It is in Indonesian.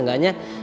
aku mau bantu kamu